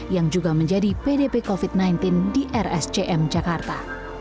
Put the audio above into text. yang juga menjadi pdp covid sembilan belas di rscm jakarta